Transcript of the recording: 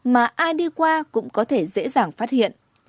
mà ai đi qua cũng có thể dễ dàng phát hiện